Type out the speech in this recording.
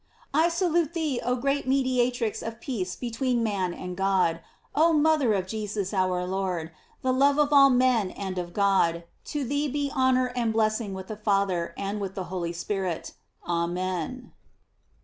I salute thee, oh great mediatrix of peace between man and God; oil mother of Jesus our Lord, the love of all men and of God; to thee be honor and blessing with the Father and with the Holy Spirit. Amen.